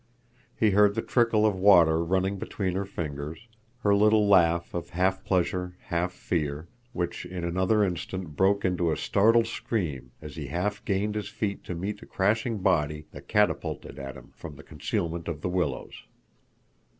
He heard the trickle of water running between her fingers, her little laugh of half pleasure, half fear, which in another instant broke into a startled scream as he half gained his feet to meet a crashing body that catapulted at him from the concealment of the willows.